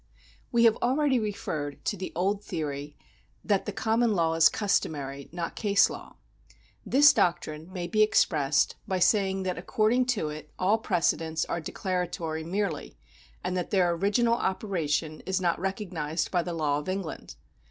We have already referred to the old theory that the com mon law is customary, not case law. This doctrine may be expressed by saying that according to it all precedents are declaratory merely, and that their original operation is not recognised by the law of England.